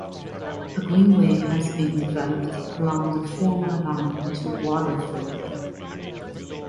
A greenway has been developed along the former line to Waterford.